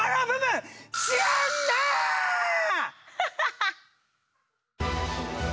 ハハハ！